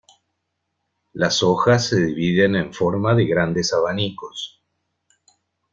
Las hojas se dividen en forma de grandes abanicos.